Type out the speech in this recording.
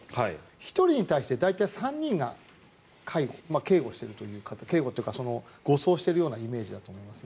１人に対して大体３人が警護している警護というか護送しているイメージだと思いますね。